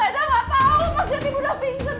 ada gak tau pas jadi budak pingsan